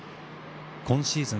今シーズン